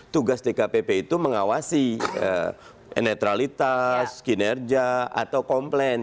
tugas dkpp itu mengawasi netralitas kinerja atau komplain